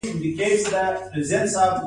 د لوستونکو د پوره فهم وړ وګرځي.